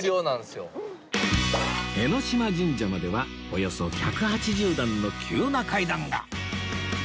江島神社まではおよそ１８０段の急な階段が！